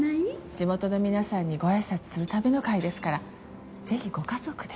地元の皆さんにご挨拶するための会ですからぜひご家族で。